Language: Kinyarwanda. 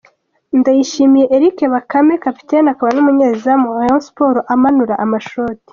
Ndayishimiye Eric Bakame kapiteni akaba n'umunyezamu wa Rayon Sports amanura amashoti.